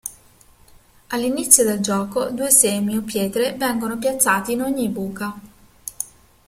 All'inizio del gioco, due semi o pietre vengono piazzati in ogni buca.